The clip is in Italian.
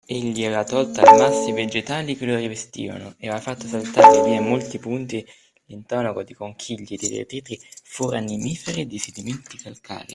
Egli aveva tolto al masso i vegetali che lo rivestivano, e aveva fatto saltar via in molti punti l’intonaco di conchiglie, di detriti foraminiferi, di sedimenti calcarei;